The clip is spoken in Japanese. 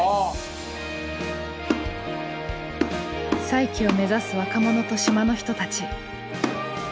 再起を目指す若者と島の人たち。